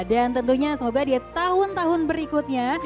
dan tentunya semoga di tahun tahun berikutnya